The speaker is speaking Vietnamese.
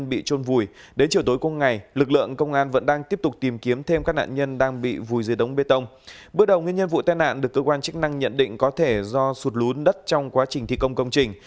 bước đầu nguyên nhân vụ tai nạn được cơ quan chức năng nhận định có thể do sụt lún đất trong quá trình thi công công trình